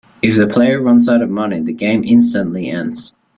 If the player runs out of money, the game instantly ends.